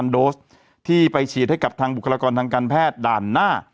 โดสที่ไปฉีดให้กับทางบุคลากรทางการแพทย์ด่านหน้า